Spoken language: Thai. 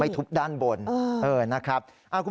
ทุบด้านบนนะครับ